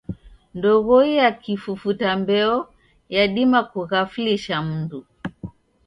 Ndoghoi ya kifufuta mbeo yadima kughaflisha mndu.